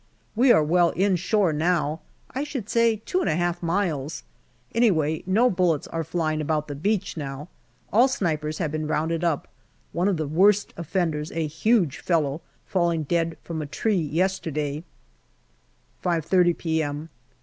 We are well inshore now, I should say two and a half miles. Anyway, no 52 GALLIPOLI DIARY bullets are flying about the beach now. All snipers have been rounded up, one of the worst offenders, a huge fellow, falling dead from a tree yesterday. 5.30 p.m.